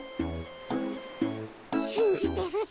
しんじてるぞ。